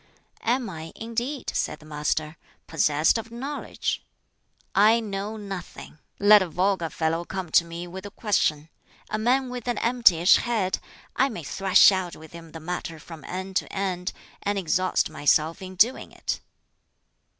'" "Am I, indeed," said the Master, "possessed of knowledge? I know nothing. Let a vulgar fellow come to me with a question a man with an emptyish head I may thrash out with him the matter from end to end, and exhaust myself in doing it!"